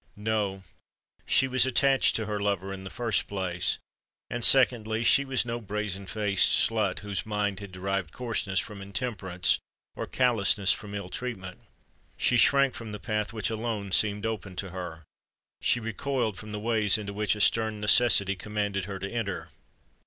No: she was attached to her lover, in the first place;—and secondly, she was no brazen faced slut, whose mind had derived coarseness from intemperance, or callousness from ill treatment. She shrank from the path which alone seemed open to her: she recoiled from the ways into which a stern necessity commanded her to enter.